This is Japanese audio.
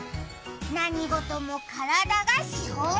何事も体が資本。